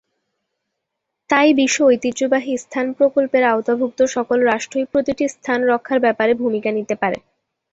তাই বিশ্ব ঐতিহ্যবাহী স্থান প্রকল্পের আওতাভুক্ত সকল রাষ্ট্রই প্রতিটি স্থান রক্ষার ব্যাপারে ভূমিকা নিতে পারে।